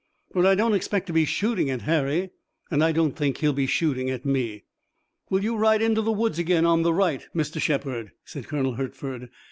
"But I don't expect to be shooting at Harry, and I don't think he'll be shooting at me." "Will you ride into the woods again on the right, Mr. Shepard?" said Colonel Hertford.